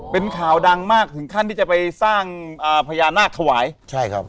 เป็นข่าวดังมากถึงขั้นที่จะไปสร้างอ่าพญานาคถวายใช่ครับ